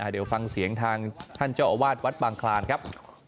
เดี๋ยวฟังเสียงทางท่านเจ้าอาวาสวัดบางคลานครับ